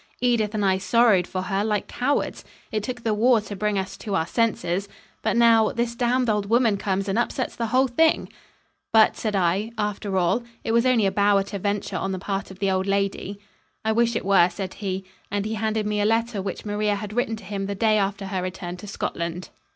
Edith and I sorrowed for her like cowards. It took the war to bring us to our senses. But, now, this damned old woman comes and upsets the whole thing." "But," said I, "after all, it was only a bow at a venture on the part of the old lady." "I wish it were," said he, and he handed me a letter which Maria had written to him the day after her return to Scotland.